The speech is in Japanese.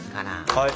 はい。